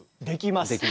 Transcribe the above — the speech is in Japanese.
できます？